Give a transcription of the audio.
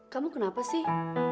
kamu kenapa sih